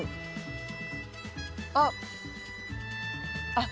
あっ。